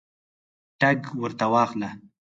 ټګ ورته واخله.